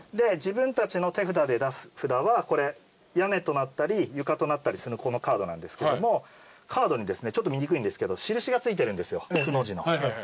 自分たちの手札で出す札は屋根となったり床となったりするカードなんですけどもカードにですねちょっと見にくいんですけど印が付いてるんですよくの字の。